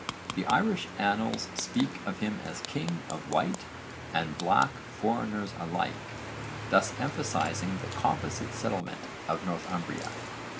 The Irish annals speak of him as king of White and Black foreigners alike, thus emphasising the composite settlement of Northumbria.